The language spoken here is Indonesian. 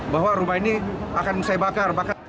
bahwa rumah ini akan saya bakar